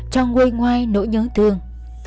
cho nguôi ngoai nỗi nhớ thương